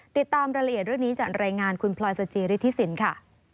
ติดตามรายละเอียดเรื่องนี้จากรายงานคุณพลอยสจิริธิสินค่ะ